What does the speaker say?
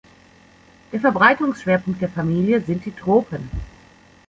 Der Verbreitungsschwerpunkt der Familie sind die Tropen.